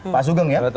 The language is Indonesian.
pak sugeng ya